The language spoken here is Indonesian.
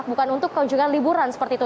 bukan untuk kunjungan liburan seperti itu